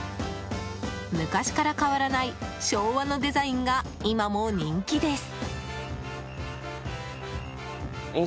昔から変わらない昭和のデザインが今も人気です。